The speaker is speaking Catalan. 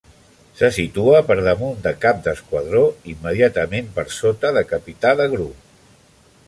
Se situa per damunt de Cap d'Esquadró i immediatament per sota de Capità de Grup.